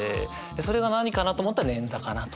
それが何かなと思ったら捻挫かなと。